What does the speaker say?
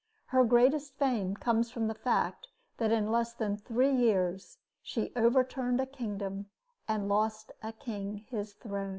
Her greatest fame comes from the fact that in less than three years she overturned a kingdom and lost a king his throne.